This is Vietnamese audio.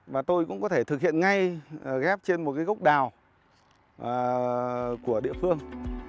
và tôi cũng có thể thực hiện ngay ghép trên một cái gốc đào của địa phương